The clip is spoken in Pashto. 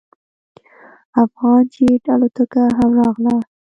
افغان جیټ الوتکه هم راغله.